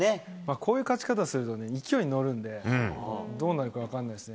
こういう勝ち方するとね、勢いに乗るんで、どうなるか分かんないですね。